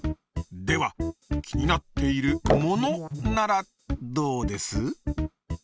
では気になっているモノならどうです？